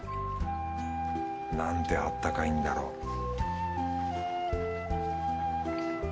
なんてあったかいんだろう